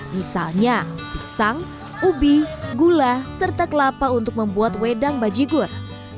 misalnya pisang ubi gula serta kelapa untuk membuat wedang bajigur